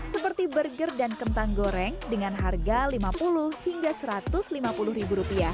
seperti burger dan kentang goreng dengan harga lima puluh hingga satu ratus lima puluh ribu rupiah